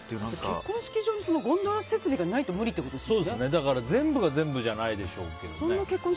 結婚式場にゴンドラ設備がないとだから全部が全部じゃないでしょうけどね。